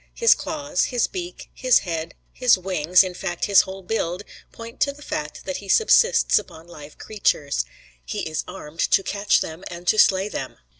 His claws, his beak, his head, his wings, in fact his whole build, point to the fact that he subsists upon live creatures; he is armed to catch them and to slay them.